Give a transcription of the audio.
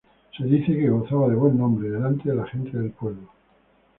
Se dice que gozaba de buen nombre delante de la gente del pueblo.